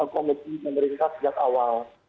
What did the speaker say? komisi pemerintah sejak awal